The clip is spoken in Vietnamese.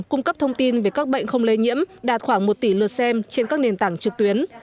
cung cấp thông tin về các bệnh không lây nhiễm đạt khoảng một tỷ lượt xem trên các nền tảng trực tuyến